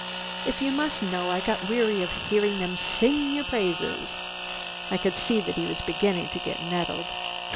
"If you must know, I got weary of hearing them sing your praises." I could see that he was beginning to get nettled.